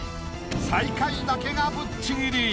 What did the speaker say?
最下位だけがぶっちぎり。